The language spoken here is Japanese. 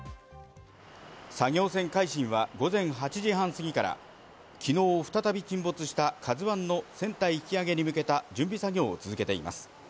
作業船「海進」は午前８時半過ぎから昨日、再び沈没した「ＫＡＺＵ１」の船体引き揚げに向けた準備作業を続けています。